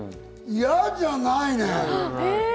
嫌じゃないね。